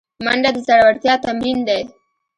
منډه د زړورتیا تمرین دی